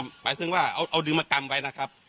หมายถึงว่าเอาดึงมากำไว้นะครับ